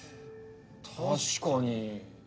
確かに。